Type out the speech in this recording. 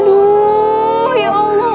aduh ya allah